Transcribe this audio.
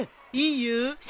いいよ。